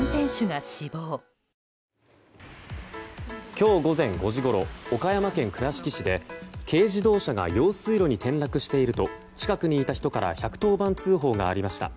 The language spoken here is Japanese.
今日午前５時ごろ岡山県倉敷市で軽自動車が用水路に転落していると近くにいた人から１１０番通報がありました。